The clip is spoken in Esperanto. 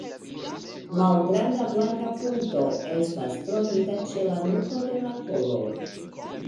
Malgranda blanka punkto estas trovita ĉe la nuko de la kolo.